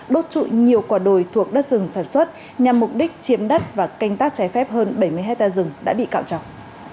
đốt trụi nhiều quả đồi thuộc đất rừng sản xuất nhằm mục đích chiếm đất và canh tác trái phép hơn bảy mươi hectare rừng đã bị cạo chọc